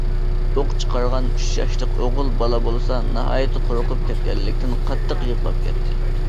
ئوق چىقارغان ئۈچ ياشلىق ئوغۇل بالا بولسا ناھايىتى قورقۇپ كەتكەنلىكتىن قاتتىق يىغلاپ كەتكەن.